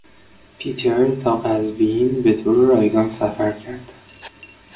پیتر تا قزوین به طور رایگان سفر کرد.